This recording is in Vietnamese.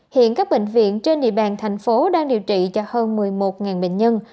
hiện các bệnh viện trên địa bàn tp hcm đang điều trị cho hơn một mươi một bệnh nhân